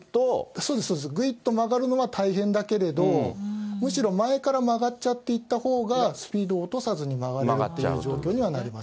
そうですそうです、ぐいっと曲がるのは大変だけれど、むしろ前から曲がっちゃっていったほうが、スピードを落とさずに曲がれるという状況になります。